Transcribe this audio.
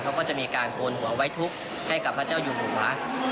เขาก็จะมีการโกนหัวไว้ทุกข์ให้กับพระเจ้าอยู่หัว